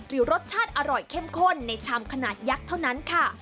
รสชาติอร่อยเข้มข้นในชามขนาดยักษ์เท่านั้นค่ะ